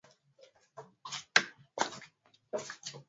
huku waandamanaji wakiwa hawana jalili zozote